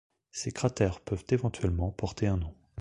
Ces cratères peuvent éventuellement porter un nom.